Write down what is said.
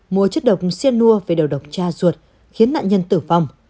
mua chất độc xiên nua về đầu độc cha ruột khiến nạn nhân tử vong